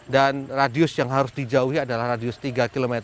dan radius yang harus dijauhi adalah radius tiga km